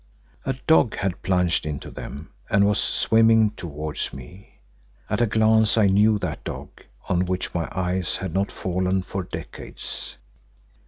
A dog had plunged into them and was swimming towards me. At a glance I knew that dog on which my eyes had not fallen for decades.